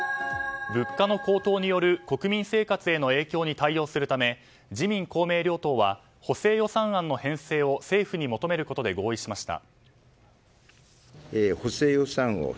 物価の高騰による国民生活への影響に対応するため自民・公明両党は補正予算案の編成を政府に求めることで合意しました。